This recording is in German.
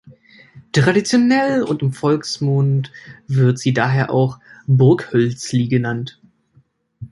Traditionell und im Volksmund wird sie daher auch Burghölzli genannt.